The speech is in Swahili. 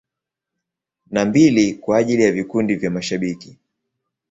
Na mbili kwa ajili ya vikundi vya mashabiki.